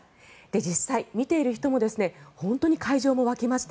実際、見ている人も本当に会場も沸きまして